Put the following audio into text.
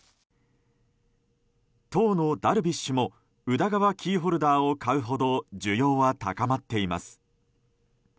当のダルビッシュも宇田川キーホルダーを買うほど需要は高まっています。